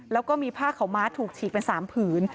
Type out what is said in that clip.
แล้วก็มีผ้าขาวม้าถูกฉีกเป็น๓ผืน